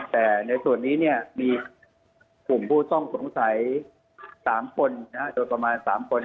แต่ในส่วนนี้มีกลุ่มผู้ต้องสงสัย๓คนโดยประมาณ๓คน